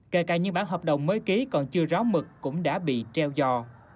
kể cả những bản hợp đồng mới ký còn chưa ráo mực cũng đã bị treo dò